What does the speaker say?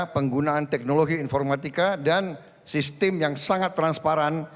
penggunaan teknologi informatika dan sistem yang sangat transparan